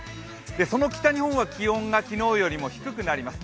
その北日本は気温が昨日よりも低くなります。